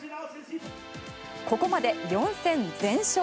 ここまで４戦全勝。